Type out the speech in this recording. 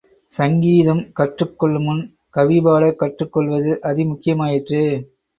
ஸங்கீதம் கற்றுக் கொள்ளுமுன் கவிபாட கற்றுக் கொள்வது அதி முக்கியமாயிற்றே!